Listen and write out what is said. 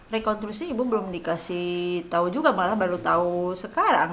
rekonstruksi ibu belum dikasih tahu juga malah baru tahu sekarang